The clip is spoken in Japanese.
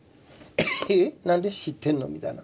えっ何で知ってんの？みたいな。